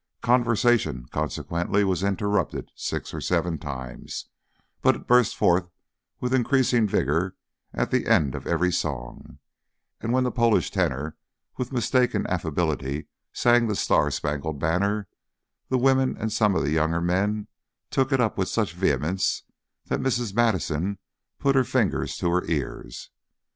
Conversation consequently was interrupted six or seven times, but it burst forth with increased vigour at the end of every song; and when the Polish tenor with mistaken affability sang "The Star Spangled Banner," the women and some of the younger men took it up with such vehemence that Mrs. Madison put her fingers to her ears.